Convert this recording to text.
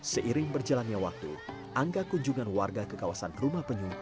seiring berjalannya waktu angka kunjungan warga ke kawasan rumah penyu